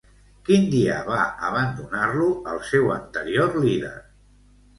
Quin dia va abandonar-lo el seu anterior líder?